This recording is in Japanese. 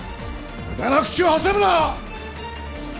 無駄な口を挟むな！